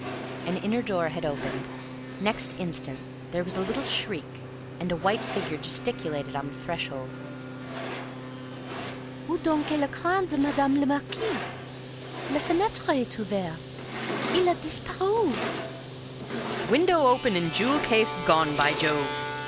An inner door had opened; next instant there was a little shriek, and a white figure gesticulated on the threshold. "Où donc est l'ecrin de Madame la Marquise? La fenetre est ouverte. Il a disparu!" "Window open and jewel case gone, by Jove!"